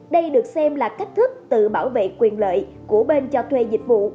đây được xem là cách thức tự bảo vệ quyền lợi của bên cho thuê dịch vụ